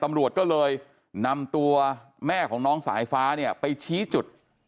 ตำรวจก็เลยนำตัวแม่ของน้องสายฟ้าเนี่ยไปชี้จุด